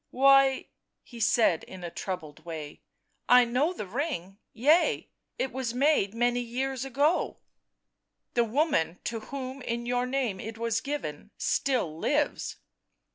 " Why," he said in a troubled way, " I know the ring — yea, it was made many years ago "" The woman to whom in your name it was given still lives."